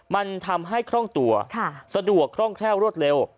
มันทำให้คล่องตัวสะดวกคล่องแคล่วรวดเร็ว